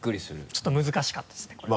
ちょっと難しかったですねこれ。